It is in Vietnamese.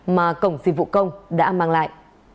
mà cổng dịch vụ công đã mang lại